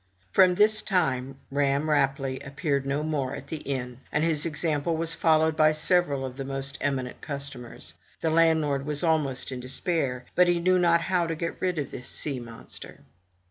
From this time Ramm Rapelye appeared no more at the inn; and his example was followed by several of the most eminent customers. The landlord was almost in despair; but he knew not how to get rid of this sea monster.